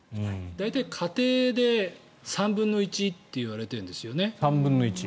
大体、家庭で３分の１といわれているんですね。